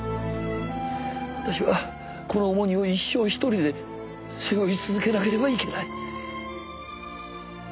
私はこの重荷を一生一人で背負い続けなければいけない。